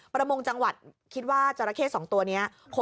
ประมงจังหวัดคิดว่าจราเข้๒ตัวนี้